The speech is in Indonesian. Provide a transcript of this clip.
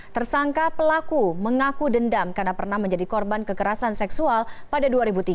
tersangka pelaku mengaku dendam karena pernah menjadi korban kekerasan seksual pada dua ribu tiga